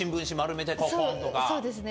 そうですね。